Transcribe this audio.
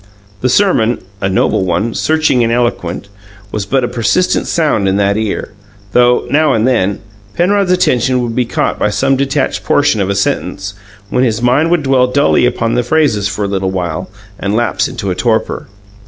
The sermon a noble one, searching and eloquent was but a persistent sound in that ear, though, now and then, Penrod's attention would be caught by some detached portion of a sentence, when his mind would dwell dully upon the phrases for a little while and lapse into a torpor.